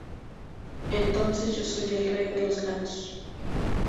Entonces yo soy el rey de los gatos!".